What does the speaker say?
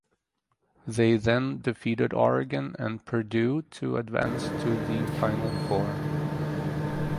They then defeated Oregon and Purdue to advance to the Final Four.